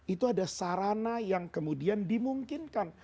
itu ada sarana yang kemudian dimungkinkan